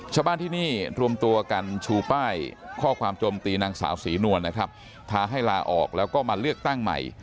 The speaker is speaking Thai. ชาวบ้านที่นี่รวมตัวกันชูป้ายข้อความโจมตีนางสาวศรีนวลนะครับท้าให้ลาออกแล้วก็มาเลือกตั้งใหม่